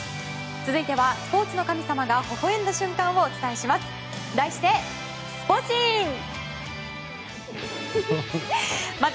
続いてはスポーツの神様がほほ笑んだ瞬間をお伝えします。